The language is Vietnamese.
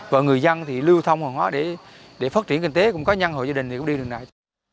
và người dân thì lưu thông hoàn hóa để phát triển kinh tế cũng có nhân hội gia đình thì cũng đi đường này